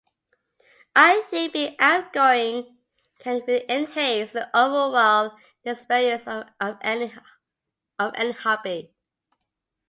I think being outgoing can really enhance the overall experience of any hobby.